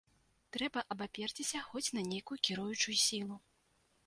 Трэба абаперціся хоць на нейкую кіруючую сілу.